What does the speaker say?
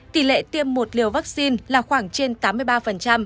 tỷ lệ tiêm một liều vaccine là khoảng trên tám mươi ba